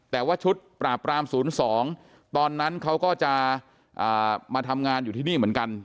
แต่ว่าชุดปราบราม๐๒ตอนนั้นเขาก็จะมาทำงานอยู่ที่นี่เหมือนกัน